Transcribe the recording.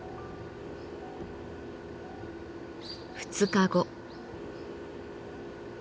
２日後。